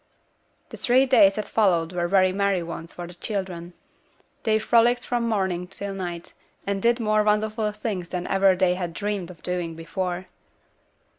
The three days that followed were very merry ones for the children. They frolicked from morning till night, and did more wonderful things than ever they had dreamed of doing before.